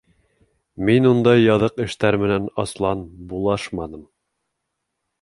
Мин ундай яҙыҡ эштәр менән аслан булашманым.